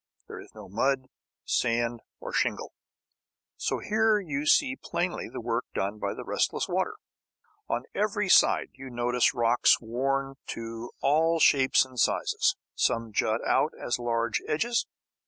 There is no mud, sand, or shingle, so here you see plainly the work done by the restless water. On every side you notice rocks worn to all shapes and sizes. Some jut out as sharp ledges.